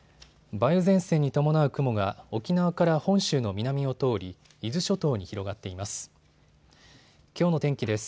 梅雨前線に伴う雲が沖縄から本州の南を通り伊豆諸島に広がっています。